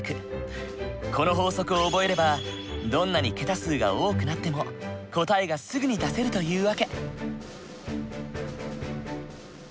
この法則を覚えればどんなに桁数が多くなっても答えがすぐに出せるという訳。